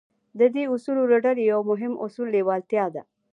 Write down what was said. د دې اصولو له ډلې يو مهم اصل لېوالتیا ده.